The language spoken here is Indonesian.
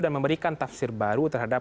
dan memberikan tafsir baru terhadap